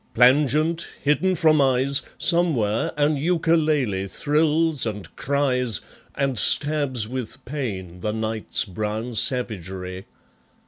Plangent, hidden from eyes Somewhere an 'eukaleli' thrills and cries And stabs with pain the night's brown savagery.